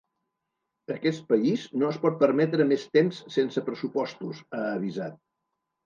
Aquest país no es pot permetre més temps sense pressupostos, ha avisat.